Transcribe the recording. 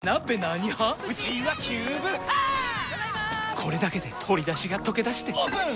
これだけで鶏だしがとけだしてオープン！